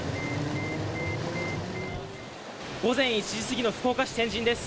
午前１時過ぎの福岡市天神です。